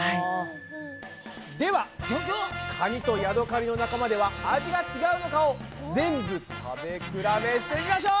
ではカニとヤドカリの仲間では味が違うのかを全部食べ比べしてみましょう！